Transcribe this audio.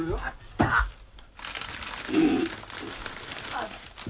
あった。